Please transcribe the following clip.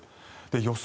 予想